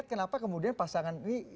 kenapa pasangan ini